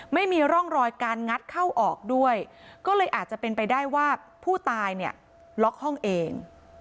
ไม่มีร่องรอยการงัดเข้าออกด้วยก็เลยอาจจะเป็นไปได้ว่าผู้ตายเนี่ยล็อกห้องเอง